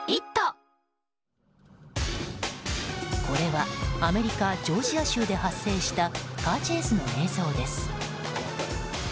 これはアメリカ・ジョージア州で発生したカーチェイスの映像です。